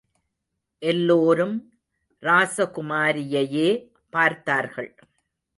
எல்லோரும் ராசகுமாரியையே பார்த்தார்கள்.